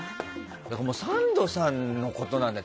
サンドさんのことなんだ。